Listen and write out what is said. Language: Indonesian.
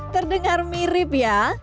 terdengar mirip ya